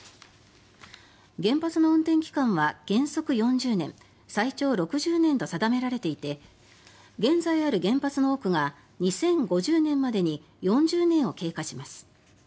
原発の運転期間は原則４０年最長６０年と定められていて現在ある原発の多くが２０５０年までに４０年を経過します。